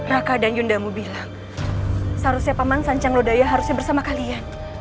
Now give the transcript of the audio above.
raka dan yundamu bilang seharusnya paman sancang lodaya harusnya bersama kalian